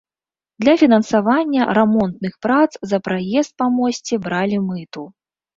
Для фінансавання рамонтных прац за праезд па мосце бралі мыту.